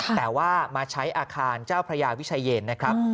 แต่ว่ามาใช้อาคารเจ้าพระยาวิชัยเย็นนะครับ